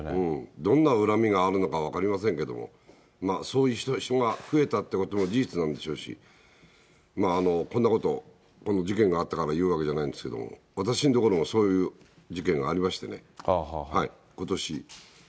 どんな恨みがあるのか分かりませんけれども、そういう人が増えたということも事実なんでしょうし、こんなこと、この事件があったから言うわけじゃないんですけれども、私の所もそういう事件がありましてね、ことし。